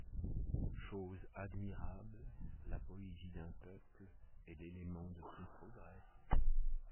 Chose admirable, la poésie d’un peuple est l’élément de son progrès.